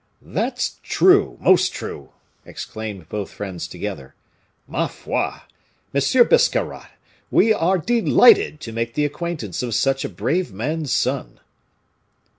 "That's true! most true!" exclaimed both friends together. "Ma foi! Monsieur Biscarrat, we are delighted to make the acquaintance of such a brave man's son."